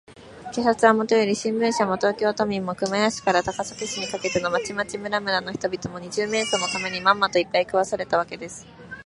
警察はもとより、新聞社も、東京都民も、熊谷市から高崎市にかけての町々村々の人々も、二十面相のために、まんまと、いっぱい食わされたわけです。